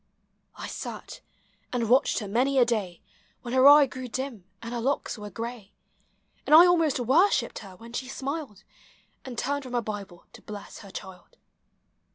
I sat, and watched her many a day, When her eye grew dim, and her locks were gray; And 1 almost worshipped her when she smiled, And turned from her Hible to bless her child.